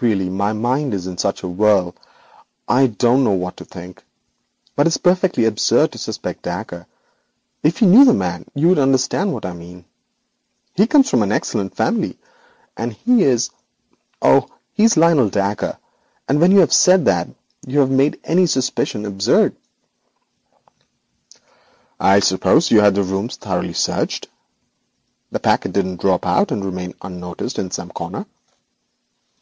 'Really my mind is in such a whirl, I don't know what to think. But it's perfectly absurd to suspect Dacre. If you knew the man you would understand what I mean. He comes of an excellent family, and he is oh! he is Lionel Dacre, and when you have said that you have made any suspicion absurd.' 'I suppose you caused the rooms to be thoroughly searched. The packet didn't drop out and remain unnoticed in some corner?'